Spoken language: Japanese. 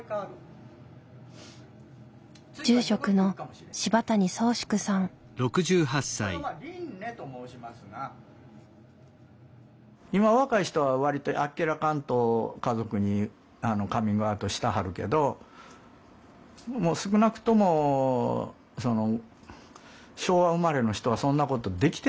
住職の今若い人は割とあっけらかんと家族にカミングアウトしたはるけどもう少なくとも昭和生まれの人はそんなことできてないわよ。